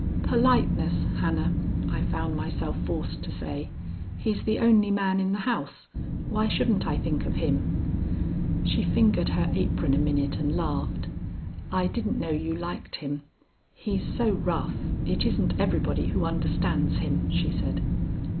"Politeness, Hannah," I found myself forced to say. "He's the only man in the house. Why shouldn't I think of him?" She fingered her apron a minute and laughed. "I didn't know you liked him. He's so rough, it isn't everybody who understands him," she said.